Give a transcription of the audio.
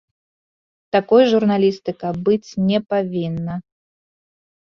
Такой журналістыка быць не павінна.